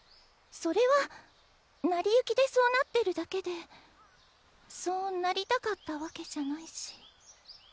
それは成り行きでそうなってるだけでそうなりたかったわけじゃないし。